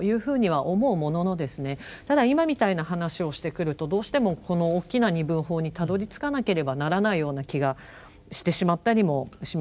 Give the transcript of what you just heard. ただ今みたいな話をしてくるとどうしてもこの大きな二分法にたどりつかなければならないような気がしてしまったりもします。